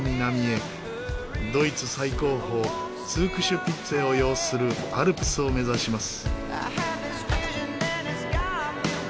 ドイツ最高峰ツークシュピッツェを擁するアルプスを目指します。